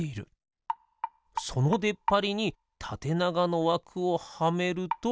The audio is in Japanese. そのでっぱりにたてながのわくをはめると。